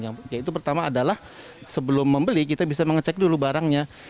yaitu pertama adalah sebelum membeli kita bisa mengecek dulu barangnya